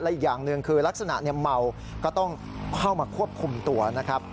อีกอย่างหนึ่งคือลักษณะเมาก็ต้องเข้ามาควบคุมตัวนะครับ